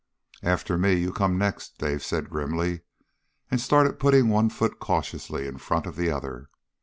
"After me, you come next," Dave said grimly, and started putting one foot cautiously in front of the other.